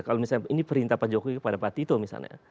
kalau misalnya ini perintah pak jokowi kepada pak tito misalnya